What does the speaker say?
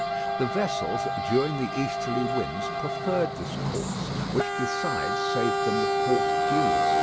The vessels, during the easterly winds, preferred this course, which besides saved them the port dues.